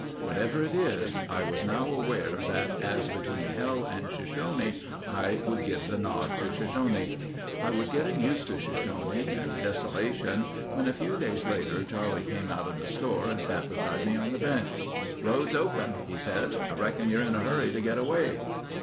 Whatever it is, I was now aware that as between hell and Shoshone, I would give the nod to Shoshone. I was getting used to Shoshone and desolation when a few days later Charlie came out of the store and sat beside me on the bench. "Road's open," he said. "I reckon you're in a hurry to get away."